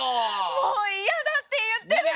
もう嫌だって言ってるの！